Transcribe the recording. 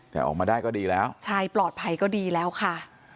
แต่ออกมาได้ก็ดีแล้วใช่ปลอดภัยก็ดีแล้วค่ะ